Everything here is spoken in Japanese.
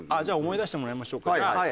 じゃあ思い出してもらいましょうか。